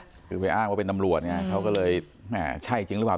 คือไปอ้างว่าเป็นตำรวจไงเขาก็เลยแม่ใช่จริงหรือเปล่า